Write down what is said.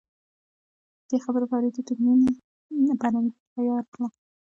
د دې خبرې په اورېدو د مينې په اننګو کې حيا راغله.